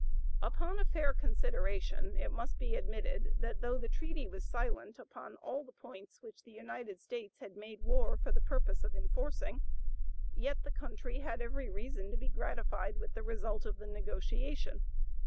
Upon a fair consideration, it must be admitted that though the treaty was silent upon all the points which the United States had made war for the purpose of enforcing, yet the country had every reason to be gratified with the result of the negotiation.